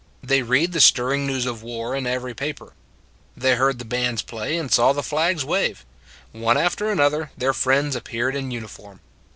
They read the stirring news of war in every paper : they heard the bands play and saw the flags wave : one after another, their friends appeared in uniform.